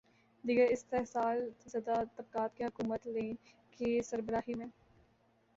دیگر استحصال زدہ طبقات کی حکومت لینن کی سربراہی میں